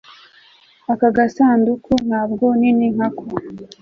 Aka gasanduku ntabwo nini nkako